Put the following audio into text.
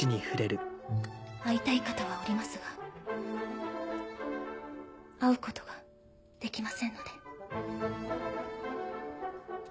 会いたい方はおりますが会うことができませんので。